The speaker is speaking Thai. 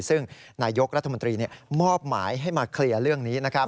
ซึ่งนายกรัฐมนตรีมอบหมายให้มาเคลียร์เรื่องนี้